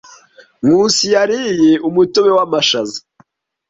Nkusi yariye umutobe w'amashaza.